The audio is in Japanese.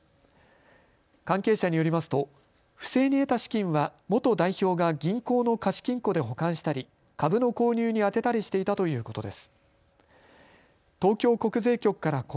関係者によりますと不正に得た資金は元代表が銀行の貸金庫で保管したり株の購入に充てたりしていたということです。